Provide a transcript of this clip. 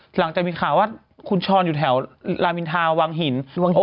หลังจากมีข่าวว่าคุณช้อนอยู่แถวลามินทาวังหิน